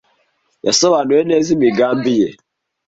Yasobanuye neza imigambi ye.